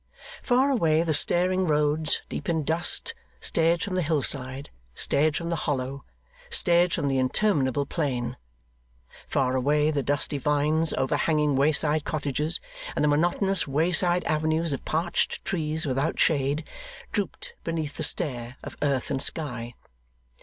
Far away the staring roads, deep in dust, stared from the hill side, stared from the hollow, stared from the interminable plain. Far away the dusty vines overhanging wayside cottages, and the monotonous wayside avenues of parched trees without shade, drooped beneath the stare of earth and sky.